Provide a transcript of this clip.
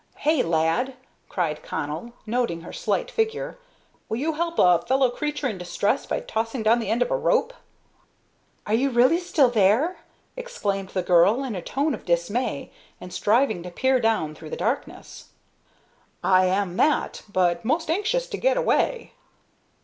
"Hey, lad," cried Connell, noting her slight figure, "will you help a fellow creature in distress by tossing down the end of a rope?" "Are you really still there?" exclaimed the girl, in a tone of dismay, and striving to peer down through the darkness. "I am that, but most anxious to get away."